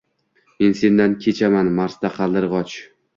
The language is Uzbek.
Men sendan kechaman Marsda qaldirgoch